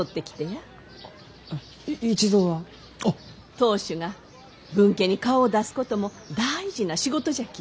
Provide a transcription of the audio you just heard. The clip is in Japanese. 当主が分家に顔を出すことも大事な仕事じゃき。